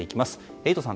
エイトさん